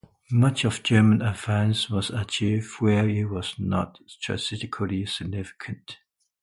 Much of the German advance was achieved where it was not strategically significant.